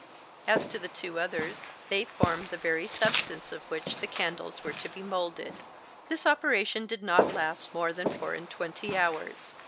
As to the two others, they formed the very substance of which the candles were to be molded. This operation did not last more than four and twenty hours.